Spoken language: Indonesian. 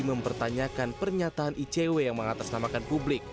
mempertanyakan pernyataan icw yang mengatasnamakan publik